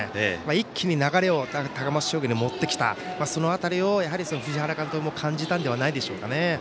一気に流れを高松商業に持ってきたその辺りを藤原監督も感じたんじゃないでしょうか。